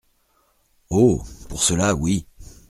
Oh ! pour cela oui.